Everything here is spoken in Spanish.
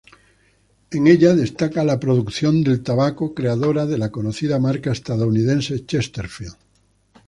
En ella destaca la producción de tabaco creadora de la conocida marca estadounidense "Chesterfield".